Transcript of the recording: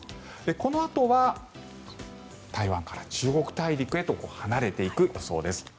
このあとは台湾から中国大陸へと離れていく予想です。